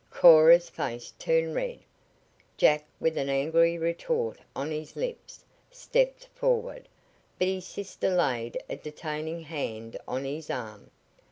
Cora's face turned red. Jack, with an angry retort on his lips, stepped forward, but his sister laid a detaining hand on his arm.